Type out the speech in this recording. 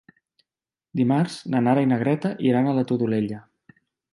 Dimarts na Nara i na Greta iran a la Todolella.